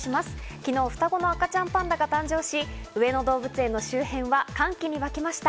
昨日、双子の赤ちゃんパンダが誕生し、上野動物園の周辺は歓喜に沸きました。